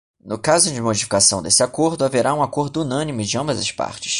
No caso de modificação deste acordo, haverá um acordo unânime de ambas as partes.